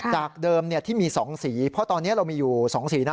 จากเดิมที่มี๒สีเพราะตอนนี้เรามีอยู่๒สีนะ